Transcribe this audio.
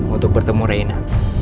untuk bertemu reina